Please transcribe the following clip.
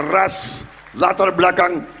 ras latar belakang